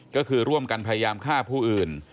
ก็คือร่วมกันพยายามฆ่าผู้อื่น